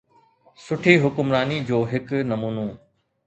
سٺي حڪمراني جو هڪ نمونو.